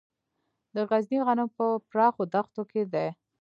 د غزني غنم په پراخو دښتو کې دي.